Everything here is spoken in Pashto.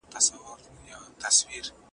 شرم مه کوه او خپله خبره وکړه.